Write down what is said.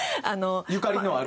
ゆかりのある？